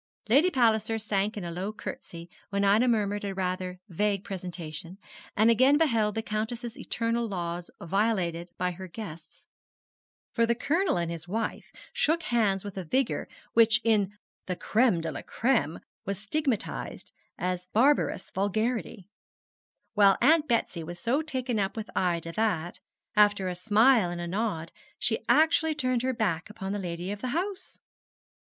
Lady Palliser sank in a low curtsey when Ida murmured a rather vague presentation, and again beheld the Countess's eternal laws violated by her guests, for the Colonel and his wife shook hands with a vigour which in the 'Crême de la Crême' was stigmatised as a barbarous vulgarity; while Aunt Betsy was so taken up with Ida that, after a smile and a nod, she actually turned her back upon the lady of the house.